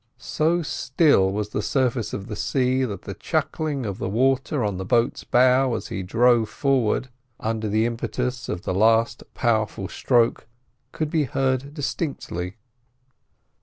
So still was the surface of the sea that the chuckling of the water at the boat's bow as she drove forward under the impetus of the last powerful stroke could be heard distinctly.